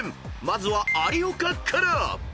［まずは有岡から］